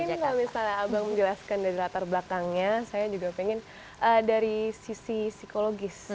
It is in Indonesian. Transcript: ini nggak misalnya abang menjelaskan dari latar belakangnya saya juga pengen dari sisi psikologis